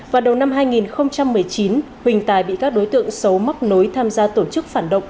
vào đầu năm hai nghìn một mươi chín huỳnh tài bị các đối tượng xấu mắc nối tham gia tổ chức phản động